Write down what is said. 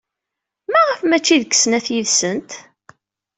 Maɣef maci deg snat yid-sent?